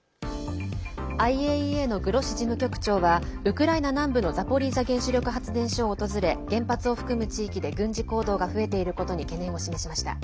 ＩＡＥＡのグロッシ事務局長はウクライナ南部のザポリージャ原子力発電所を訪れ原発を含む地域で軍事行動が増えていることに懸念を示しました。